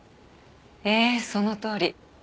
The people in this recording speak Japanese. ええそのとおり。